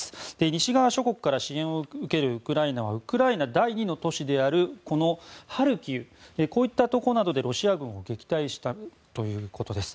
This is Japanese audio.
西側諸国から支援を受けるウクライナはウクライナ第２の都市であるハルキウなどこういったところでロシア軍を撃退したということです。